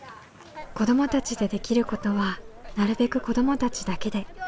子どもたちでできることはなるべく子どもたちだけで。